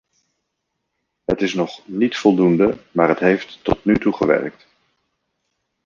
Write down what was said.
Het is nog niet voldoende, maar het heeft tot nu toe gewerkt.